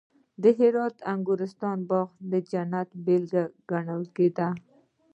د هرات د انګورستان باغ د جنت بېلګه ګڼل کېده